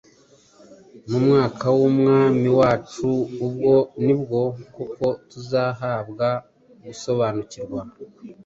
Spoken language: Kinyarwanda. mu Mwuka w’Umwami wacu ubwo nibwo koko tuzahabwa gusobanukirwa